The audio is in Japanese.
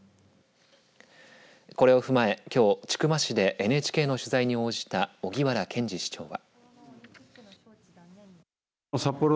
これを踏まえ、きょう千曲市でＮＨＫの取材に応じた荻原健司市長は。